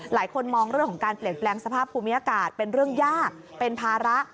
หลายคนมองเรื่องของการเปลี่ยนแปลงสภาพภูมิอากาศเป็นเรื่องยากเป็นภาระ